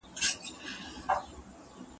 له بامي بلخه راپاڅه